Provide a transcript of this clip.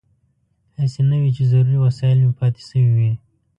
هسې نه وي چې ضروري وسایل مې پاتې شوي وي.